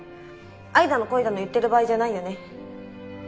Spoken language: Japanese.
愛だの恋だの言ってる場合じゃないよね。